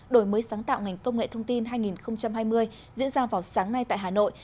đổi mới sáng tạo ngành công nghệ thông tin hai nghìn hai mươi diễn ra vào sáng nay tại hà nội